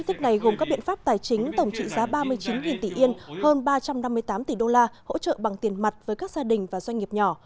tích này gồm các biện pháp tài chính tổng trị giá ba mươi chín tỷ yên hơn ba trăm năm mươi tám tỷ đô la hỗ trợ bằng tiền mặt với các gia đình và doanh nghiệp nhỏ